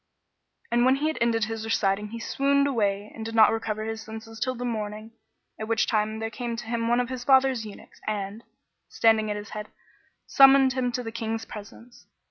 And when he had ended his reciting he swooned away and did not recover his senses till the morning, at which time there came to him one of his father's eunuchs and, standing at his head, summoned him to the King's presence.